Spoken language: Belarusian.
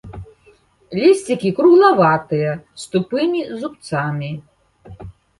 Лісцікі круглаватыя, з тупымі зубцамі.